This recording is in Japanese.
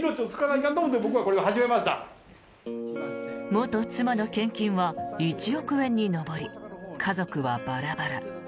元妻の献金は１億円に上り家族はバラバラ。